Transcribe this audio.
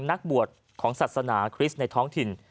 นักบวชของศาสนาคริสต์ในท้องถิ่น